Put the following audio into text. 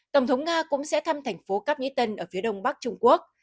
tổng thống nga cũng sẽ thăm thành phố cáp nhĩ tân ở phía đông bắc trung quốc